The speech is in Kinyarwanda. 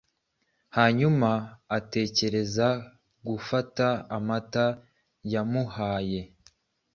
Hanyuma atekereza gufata amata yamuhaye